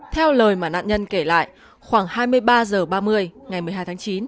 theo lời mà nạn nhân kể lại khoảng hai mươi ba h ba mươi ngày một mươi hai tháng chín